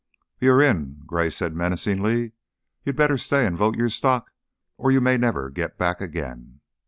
"You're in," Gray said, menacingly; "you'd better stay and vote your stock or you may never get back again."